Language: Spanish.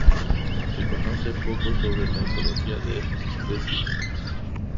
Se conoce poco sobre la ecología de estas especies.